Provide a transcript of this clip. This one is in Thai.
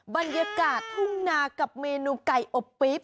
บรรยากาศทุ่งนากับเมนูไก่อบปี๊บ